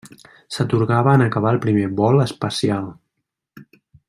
S'atorgava en acabar el primer vol espacial.